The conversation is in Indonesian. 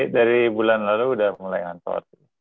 dari bulan lalu sudah mulai ngantor